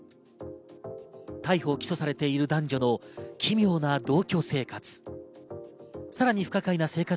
逮捕・起訴されている男女の奇妙な同居生活。